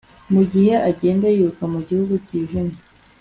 mugihe agenda yiruka mu gihu cyijimye